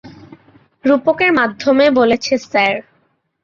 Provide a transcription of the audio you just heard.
রূপকের মাধ্যমে বলেছে স্যার।